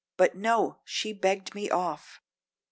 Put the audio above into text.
but no, she begged me off.